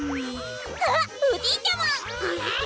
あっおじいちゃま！